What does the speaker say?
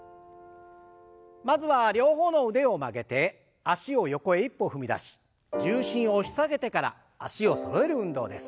まずは両方の腕を曲げて脚を横へ一歩踏み出し重心を押し下げてから脚をそろえる運動です。